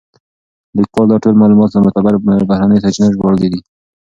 لیکوال دا ټول معلومات له معتبرو بهرنیو سرچینو ژباړلي دي.